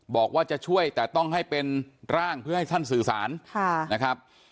บอกว่าจะช่วยแต่ต้องให้เป็นร่างเพื่อให้ท่านสื่อสารนะครับ